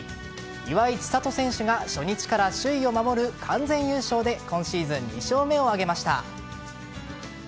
岩井千怜選手が初日から首位を守る完全優勝で今シーズン２勝目を挙げました。